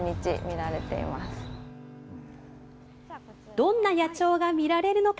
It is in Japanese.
どんな野鳥が見られるのか。